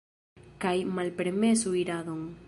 Kaj malpermesu iradon.